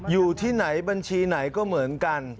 อยู่ที่ไหนบัญชีไหนก็เหมือนกัน